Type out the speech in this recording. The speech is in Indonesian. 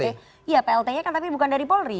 iya plt nya kan tapi bukan dari polri